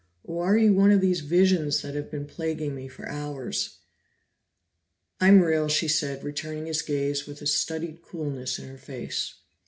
Or are you one of these visions that have been plaguing me for hours?" "I'm real," she said, returning his gaze with a studied coolness in her face.